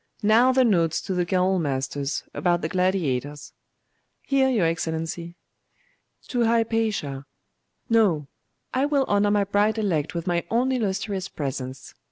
Now the notes to the Gaol masters, about the gladiators.' 'Here, your Excellency.' 'To Hypatia. No. I will honour my bride elect with my own illustrious presence.